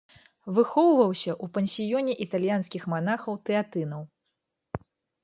Выхоўваўся ў пансіёне італьянскіх манахаў-тэатынаў.